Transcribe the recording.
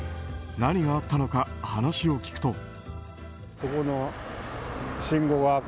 何があったのか話を聞くと。